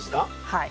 はい。